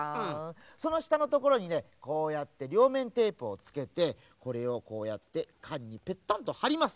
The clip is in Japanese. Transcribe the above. そのしたのところにねこうやってりょうめんテープをつけてこれをこうやってかんにペッタンとはります。